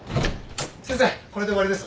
先生これで終わりです。